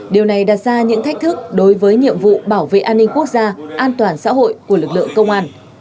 điều này đặt ra những thách thức đối với nhiệm vụ bảo vệ an ninh quốc gia an toàn xã hội của lực lượng công an